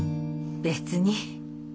別に。